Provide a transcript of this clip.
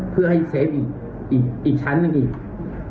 เพื่อให้เซฟอีกชั้นอังกฤษ